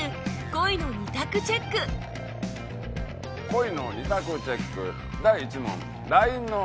恋の２択チェック第１問。